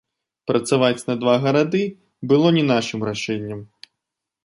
Працаваць на два гарады было не нашым рашэннем.